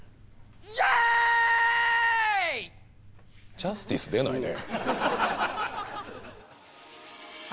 ジャスティス出ないね。